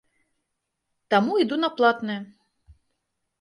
Таму іду на платнае.